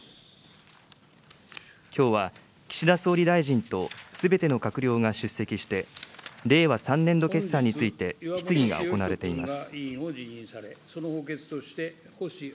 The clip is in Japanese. きょうは岸田総理大臣とすべての閣僚が出席して、令和３年度決算について、質疑が行われています。